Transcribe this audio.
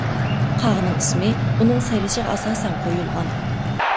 قاغىنىڭ ئىسمى ئۇنىڭ سايرىشىغا ئاساسەن قويۇلغان.